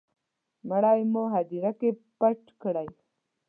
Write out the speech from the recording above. مړی مو هدیره کي پټ کړی